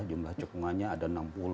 jumlah cekungannya ada enam puluh